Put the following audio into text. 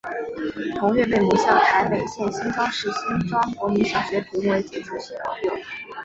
同月被母校台北县新庄市新庄国民小学评为杰出校友。